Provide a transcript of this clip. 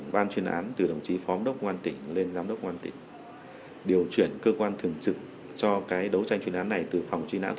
tháng bảy năm hai nghìn một mươi năm ban giám đốc công an tỉnh đánh giá tình hình và nghiên cứu lại toàn bộ hồ sư